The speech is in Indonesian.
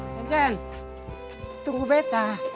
can can tunggu betta